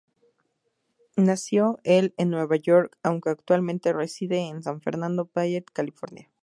Nació el en Nueva York aunque actualmente reside en "San Fernando Valley", California.